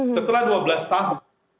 setelah dua belas tahun